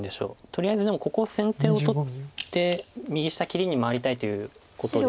とりあえずでもここ先手を取って右下切りに回りたいということです。